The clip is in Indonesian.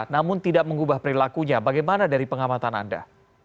namun tidak mengubah perilakunya bagaimana dari pengamatan anda